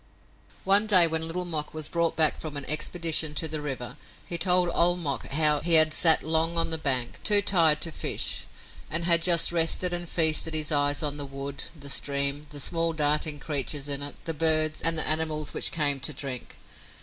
One day when Little Mok was brought back from an expedition to the river, he told Old Mok how he had sat long on the bank, too tired to fish, and had just rested and feasted his eyes on the wood, the stream, the small darting creatures in it, the birds, and the animals which came to drink.